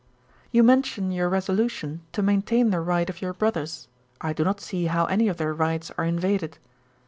'You mention your resolution to maintain the right of your brothers: I do not see how any of their rights are invaded.